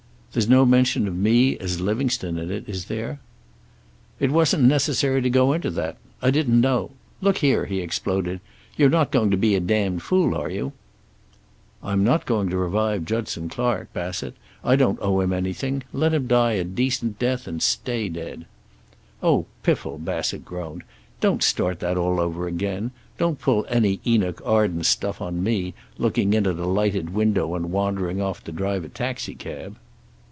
"There's no mention of me as Livingstone in it, is there?" "It wasn't necessary to go into that. I didn't know Look here," he exploded, "you're not going to be a damned fool, are you?" "I'm not going to revive Judson Clark, Bassett. I don't owe him anything. Let him die a decent death and stay dead." "Oh, piffle!" Bassett groaned. "Don't start that all over again. Don't pull any Enoch Arden stuff on me, looking in at a lighted window and wandering off to drive a taxicab."